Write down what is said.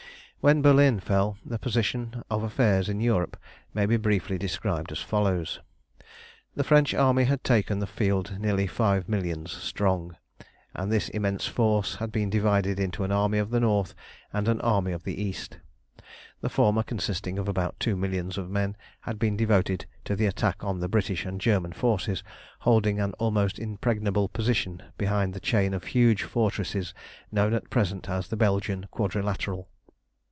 When Berlin fell the position of affairs in Europe may be briefly described as follows: The French army had taken the field nearly five millions strong, and this immense force had been divided into an Army of the North and an Army of the East. The former, consisting of about two millions of men, had been devoted to the attack on the British and German forces holding an almost impregnable position behind the chain of huge fortresses known at present as the Belgian Quadrilateral.